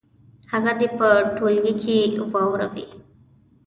هغه دې په ټولګي کې واوروي.